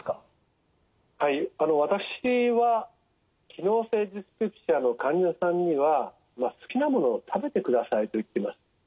私は機能性ディスペプシアの患者さんには「好きな物を食べてください」と言っています。